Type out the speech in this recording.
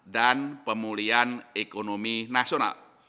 dan pemulihan ekonomi nasional